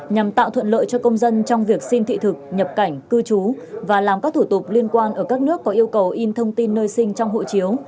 nhằm tạo thuận lợi cho công dân trong việc xin thị thực nhập cảnh cư trú và làm các thủ tục liên quan ở các nước có yêu cầu in thông tin nơi sinh trong hộ chiếu